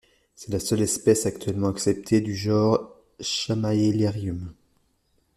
C'est la seule espèce actuellement acceptée du genre Chamaelirium.